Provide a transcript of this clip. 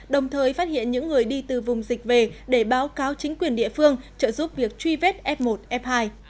đồng thời phát hiện những người đi từ vùng dịch về để báo cáo chính quyền địa phương trợ giúp việc truy vết f một f hai